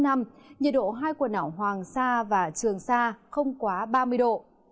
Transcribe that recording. nhiệt độ hai quần đảo hoàng sa và trường sa không quá ba mươi độ